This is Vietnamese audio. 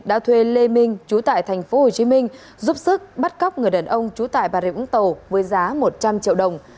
đã thuê lê minh chú tại thành phố hồ chí minh giúp sức bắt cóc người đàn ông chú tại bà rịa úng tàu với giá một trăm linh triệu đồng